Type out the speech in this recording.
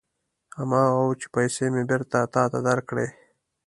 هماغه و چې پېسې مې بېرته تا ته درکړې.